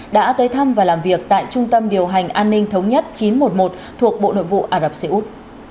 đã tới thăm và làm việc tại trung tâm điều hành an ninh thống nhất chín trăm một mươi một thuộc bộ nội vụ ả rập xê út